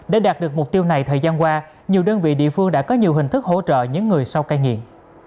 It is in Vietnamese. để đạt được mục tiêu này thời gian qua nhiều đơn vị địa phương đã có nhiều hình thức hỗ trợ những người sau cai nghiện